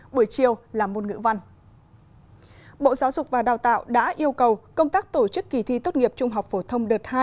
bộ giáo dục và đào tạo đã yêu cầu công tác tổ chức kỳ thi tốt nghiệp trung học phổ thông đợt hai